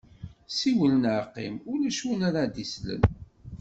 Siwel neɣ qim, ulac win ara d-yeslen.